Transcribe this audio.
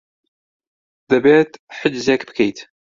دەبێت حجزێک بکەیت.